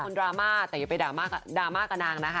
โอ้คุณธรรม่าแต่อย่าไปดราม่ากันนางนะฮะ